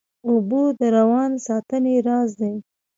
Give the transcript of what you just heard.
اوبه د روان ساتنې راز دي